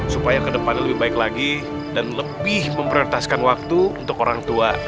supaya kedepannya lebih baik lagi dan lebih memprioritaskan waktu untuk orang tua